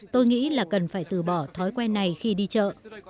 tôi nghĩ là cần phải từ bỏ thói quen này khi đi chợ